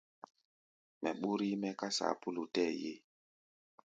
Mɛ ɓúr yí-mɛ́ ká saapúlu tɛɛ́ ye.